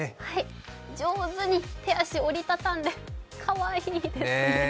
上手に手足を折り畳んで、かわいいですね。